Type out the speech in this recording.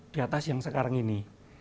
di atas yang sekarang ini